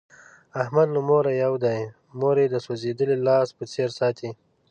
احمد له موره یو دی، مور یې د سوزېدلي لاس په څیر ساتي.